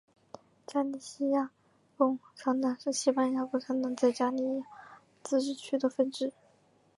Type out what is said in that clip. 加利西亚共产党是西班牙共产党在加利西亚自治区的分支。